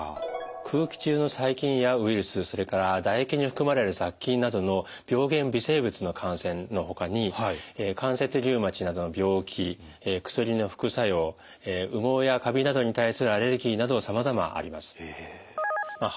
空気中の細菌やウイルスそれから唾液に含まれる雑菌などの病原微生物の感染のほかに関節リウマチなどの病気薬の副作用羽毛やカビなどに対するアレルギーなどさまざまあります。